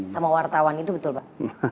sama wartawan itu betul pak